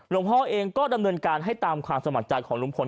หลวงพ่อเองก็ดำเนินการให้ตามความสมัครใจของลุงพล